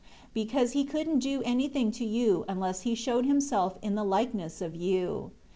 8 Because he couldn't do anything to you unless he showed himself in the likeness of you.